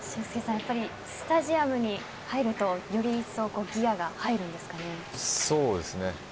やっぱり、スタジアムに入るとより一層そうですね。